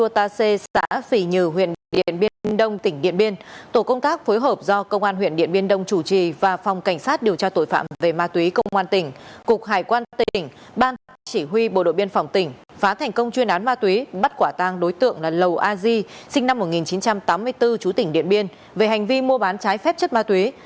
tổ công tác phối hợp do công an huyện điện biên đông chủ trì và phòng cảnh sát điều tra tội phạm về ma túy công an tỉnh cục hải quan tỉnh ban tạp chỉ huy bộ đội biên phòng tỉnh phá thành công chuyên án ma túy bắt quả tang đối tượng là lầu a di sinh năm một nghìn chín trăm tám mươi bốn chú tỉnh điện biên về hành vi mua bán trái phép chất ma túy